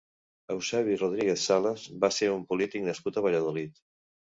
Eusebi Rodríguez Salas va ser un polític nascut a Valladolid.